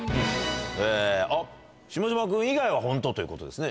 あっ下嶋君以外はホントということですね。